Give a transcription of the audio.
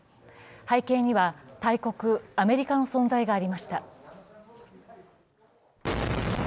背景には大国アメリカの存在がありました。